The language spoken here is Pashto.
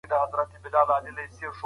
بد عمل تل سپکاوی راولي